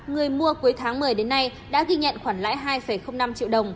người mua cuối tháng một mươi đến nay đã ghi nhận khoản lãi hai năm triệu đồng